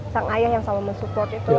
sang ayah yang sama men support itu